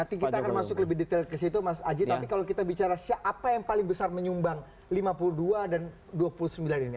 nanti kita akan masuk lebih detail ke situ mas aji tapi kalau kita bicara siapa yang paling besar menyumbang lima puluh dua dan dua puluh sembilan ini